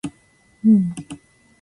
もう無理